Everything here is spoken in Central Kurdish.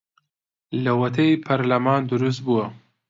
لەوەتەی پەرلەمان دروست بووە